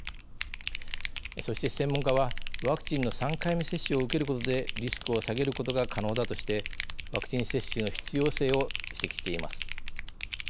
そして、専門家はワクチンの３回目接種を受けることでリスクを下げることが可能だとしてワクチン接種の必要性を指摘しています。